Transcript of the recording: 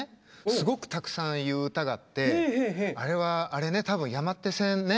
すごくたくさん言う歌があってあれはあれね多分山手線ね。